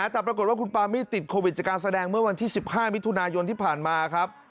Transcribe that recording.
แต่ปรากฏว่าคุณปามี่ติดโควิดจากการแสดงเมื่อวันที่๑๕มิถุนายนที่ผ่านมาครับ